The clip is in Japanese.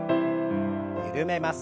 緩めます。